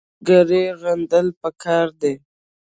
ترهګري غندل پکار دي